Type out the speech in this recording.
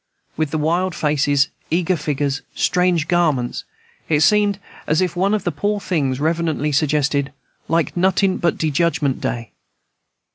With the wild faces, eager figures, strange garments, it seemed, as one of the poor things reverently suggested, "like notin' but de judgment day."